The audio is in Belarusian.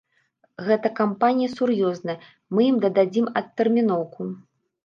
Гэта кампанія сур'ёзная, мы ім дадзім адтэрміноўку.